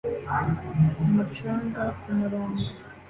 kumu canga kumurongo